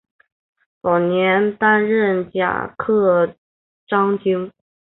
早年担任甲喇章京。